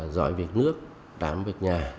giỏi việc nước đảm việc nhà